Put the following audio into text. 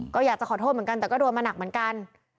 ก็อยากจะขอโทษเหมือนกันแต่ก็โดนมาหนักเหมือนกัน